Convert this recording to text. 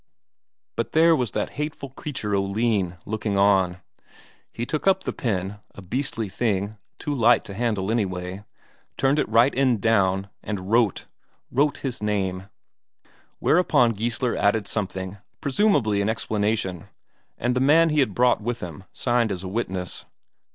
But there was that hateful creature Oline looking on; he took up the pen a beastly thing, too light to handle anyway turned it right end down, and wrote wrote his name. Whereupon Geissler added something, presumably an explanation, and the man he had brought with him signed as a witness.